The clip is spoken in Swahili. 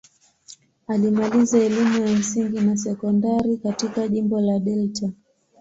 Alimaliza elimu ya msingi na sekondari katika jimbo la Delta.